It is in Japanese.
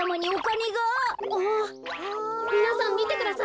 あっみなさんみてください。